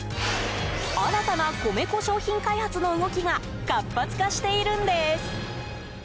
新たな米粉商品開発の動きが活発化しているんです。